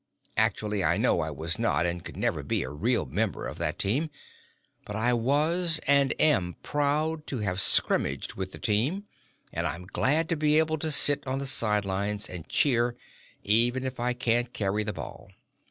Actually, I know I was not and could never be a real member of that team, but I was and am proud to have scrimmaged with the team, and I'm glad to be able to sit on the side lines and cheer even if I can't carry the ball.